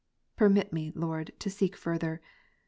Permit me. Lord, to seek further.